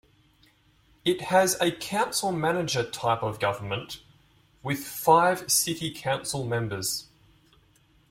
It has a council manager type of government with five city council members.